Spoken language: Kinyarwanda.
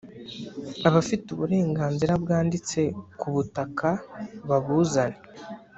abafite uburenganzira bwanditse ku butaka babuzane